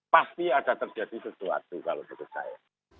pasti ada terjadi sesuatu kalau menurut saya